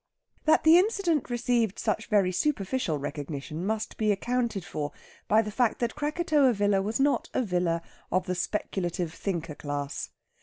That the incident received such very superficial recognition must be accounted for by the fact that Krakatoa Villa was not a villa of the speculative thinker class.